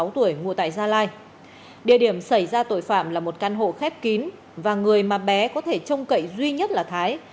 hai mươi sáu tuổi ngụ tại gia lai địa điểm xảy ra tội phạm là một căn hộ khép kín và người mà bé có thể trông cậy duy nhất là thái